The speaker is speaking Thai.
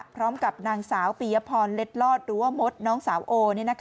พร้อมกับนางสาวปียพรเล็ดลอดหรือว่ามดน้องสาวโอ